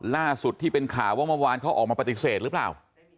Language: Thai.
ล่าสุดที่เป็นข่าวว่าเมื่อวานเขาออกมาปฏิเสธหรือเปล่า